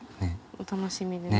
お楽しみでね。